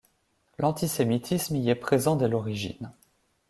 L'antisémitisme y est présent dès l'origine.